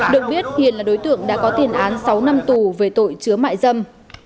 được biết hiền là đối tượng đã có tiền án sáu năm tù về tội chứa mại dâm